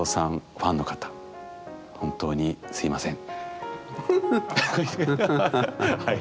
ファンの方本当にすいません。